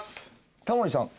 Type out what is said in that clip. タモリさん